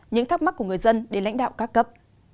những thắc mắc của người dân đến lãnh đạo các cấp